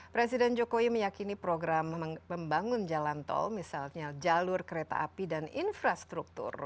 presiden jokowi meyakini program membangun jalan tol misalnya jalur kereta api dan infrastruktur